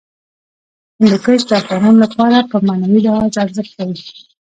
هندوکش د افغانانو لپاره په معنوي لحاظ ارزښت لري.